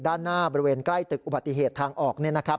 ด้านหน้าบริเวณใกล้ตึกอุบัติเหตุทางออกเนี่ยนะครับ